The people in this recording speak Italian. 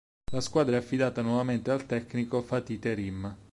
La squadra è affidata nuovamente al tecnico Fatih Terim.